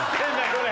これ！